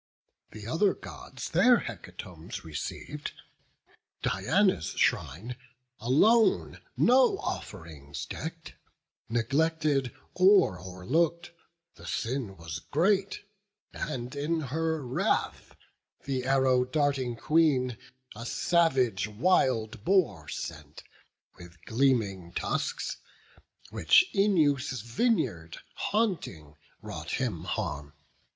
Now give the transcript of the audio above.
The other Gods their hecatombs receiv'd; Diana's shrine alone no off'rings deck'd, Neglected, or o'erlook'd; the sin was great; And in her wrath the arrow darting Queen A savage wild boar sent, with gleaming tusks, Which Œneus' vineyard haunting, wrought him harm.